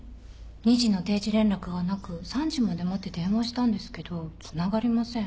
２時の定時連絡がなく３時まで待って電話したんですけどつながりません。